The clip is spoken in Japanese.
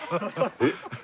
えっ？